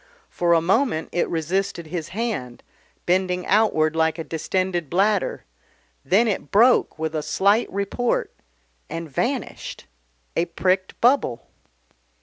For a moment it resisted his hand, bending outward like a distended bladder, then it broke with a slight report and vanished a pricked bubble.